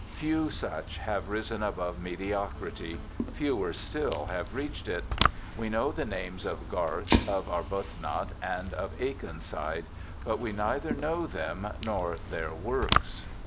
Few such have risen above mediocrity; fewer still have reached it. We know the names of Garth, of Arbuthnot, and of Akenside, but we neither know them nor their works.